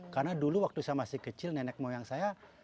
karena dulu waktu saya masih kecil nenek moyang saya